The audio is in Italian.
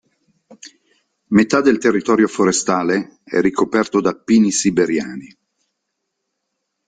Metà del territorio forestale è ricoperto da pini siberiani.